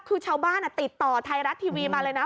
คือชาวบ้านติดต่อไทยรัฐทีวีมาเลยนะ